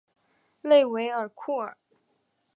勒韦尔库尔。